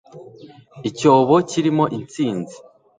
icyobo kirimo inzitizi